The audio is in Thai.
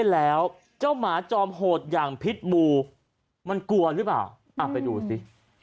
แล้วเจ้าหมาจอมโหดอย่างพิษบูมันกลัวหรือเปล่าไปดูสิ